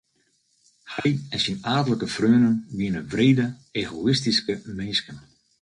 Hy en syn aadlike freonen wiene wrede egoïstyske minsken.